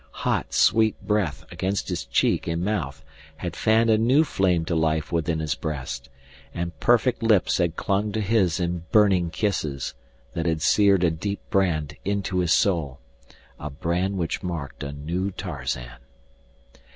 Hot, sweet breath against his cheek and mouth had fanned a new flame to life within his breast, and perfect lips had clung to his in burning kisses that had seared a deep brand into his soul—a brand which marked a new Tarzan.